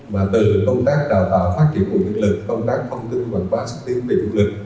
mà từ công tác đào tạo phát triển vùng thuận lợi công tác thông tin quảng phá xuất tiến về vùng thuận lợi